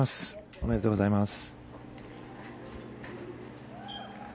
おめでとうございます。